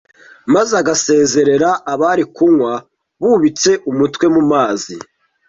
maze agasezerera abari kunywa bubitse umutwe mu mazi